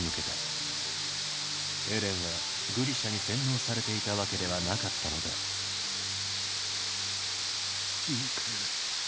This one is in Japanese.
エレンはグリシャに洗脳されていたわけではなかったのだジーク。